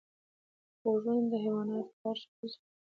غوږونه د حیواناتو غږ پېژني